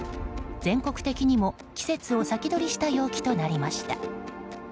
全国的にも季節を先取りした陽気となりました。